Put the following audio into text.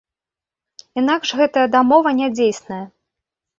Інакш гэтая дамова нядзейсная.